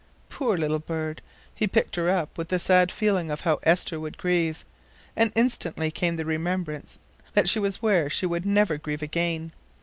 Poor little bird! He picked her up, with the sad feeling of how Esther would grieve, and instantly came the remembrance that she was where she would never grieve again.